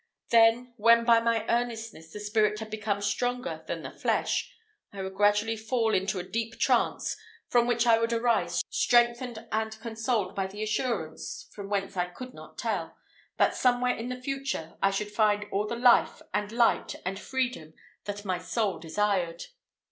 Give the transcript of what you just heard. Then, when by my earnestness the spirit had become stronger than the flesh, I would gradually fall into a deep trance, from which I would arise strengthened and consoled by the assurance from whence I could not tell that somewhere in the future I should find all the life, and light, and freedom that my soul desired.